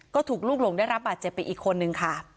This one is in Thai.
ก็ถูกลูกหลงได้รับบาดเจ็บไปอีกคนนึงค่ะ